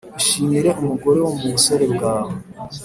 Ishimire umugore wo mu busore bwawe